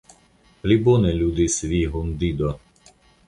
Pli bone ludis vi, hundido.